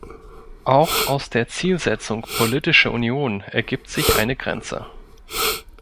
Auch aus der Zielsetzung "Politische Union" ergibt sich eine Grenze.